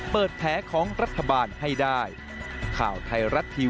เปิดแถวของรัฐบาลให้ได้